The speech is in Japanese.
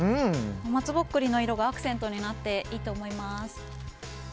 松ぼっくりの色がアクセントになっていいと思います。